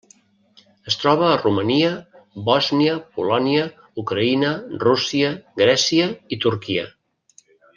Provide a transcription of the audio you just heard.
Es troba a Romania, Bòsnia, Polònia, Ucraïna, Rússia, Grècia i Turquia.